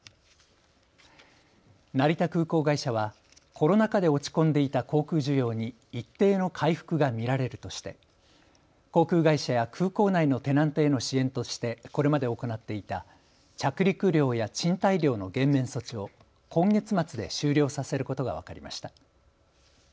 成田空港会社はコロナ禍で落ち込んでいた航空需要に一定の回復が見られるとして航空会社や空港内のテナントへの支援としてこれまで行っていた着陸料や賃貸料の減免措置を今月末で終了させることが分かりました。